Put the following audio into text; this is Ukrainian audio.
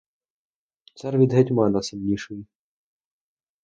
Цар від гетьмана сильніший.